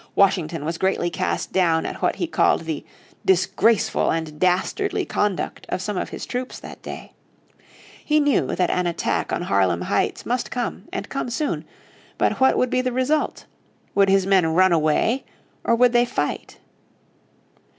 Washington was greatly cast down at what he called the "disgraceful and dastardly" conduct of some of his troops that day. He knew that an attack on Harlem Heights must come, and come soon. But what would be the result? Would his men run away, or would they fight?